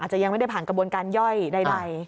จะยังไม่ได้ผ่านกระบวนการย่อยใด